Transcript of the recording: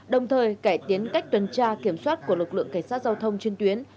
đồng thời cải tiến cách tuần tra kiểm soát của lực lượng cảnh sát giao thông trên tuyến